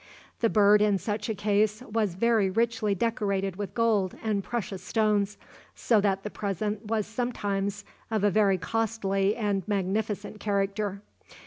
The bird in such a case was very richly decorated with gold and precious stones, so that the present was sometimes of a very costly and magnificent character.